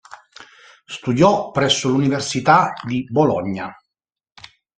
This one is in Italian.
Studiò presso l'Università di Bologna.